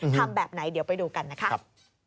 ทำแบบไหนเดี๋ยวไปดูกันนะครับ